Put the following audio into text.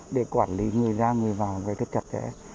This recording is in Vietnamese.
để quản lý người ra người vào với chặt chẽ